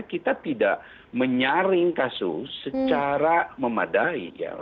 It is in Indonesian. kita tidak menyaring kasus secara memadai